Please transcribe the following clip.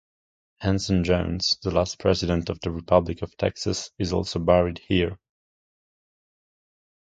Anson Jones, the last president of the Republic of Texas, is also buried here.